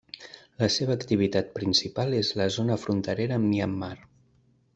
La seva activitat principal és la zona fronterera amb Myanmar.